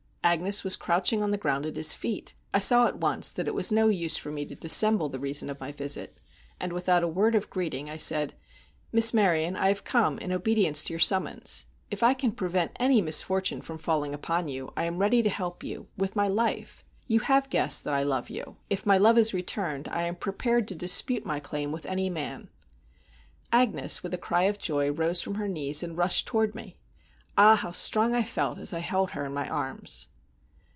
Agnes was crouching on the ground at his feet. I saw at once that it was no use for me to dissemble the reason of my visit, and, without a word of greeting, I said: "Miss Maryon, I have come, in obedience to your summons. If I can prevent any misfortune from falling upon you I am ready to help you, with my life. You have guessed that I love you. If my love is returned I am prepared to dispute my claim with any man." Agnes, with a cry of joy, rose from her knees, and rushed toward me. Ah! how strong I felt as I held her in my arms!